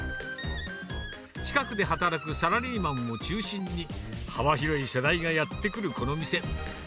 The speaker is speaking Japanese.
近くで働くサラリーマンを中心に、幅広い世代がやって来るこの店。